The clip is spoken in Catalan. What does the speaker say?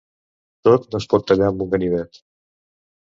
Tot no es pot tallar amb un ganivet.